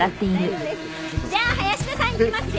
じゃあ林田さんいきますよ。